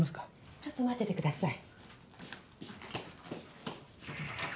ちょっと待っててください。